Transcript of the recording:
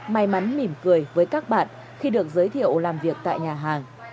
may mắn mỉm cười với các bạn khi được giới thiệu làm việc tại nhà hàng